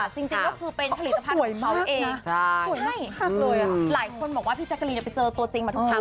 จริงก็คือเป็นผลิตภัณฑ์ของเขาเองใช่หลายคนบอกว่าพี่แจ๊กกะลีจะไปเจอตัวจริงมาทุกครั้ง